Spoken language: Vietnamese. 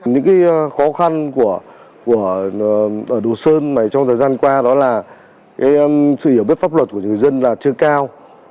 những khó khăn của đồ sơn trong thời gian qua đó là sự hiểu biết pháp luật của người dân chưa cao